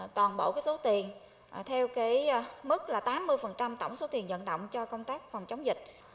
toàn bộ số tiền theo mức là tám mươi tổng số tiền dẫn động cho công tác phòng chống dịch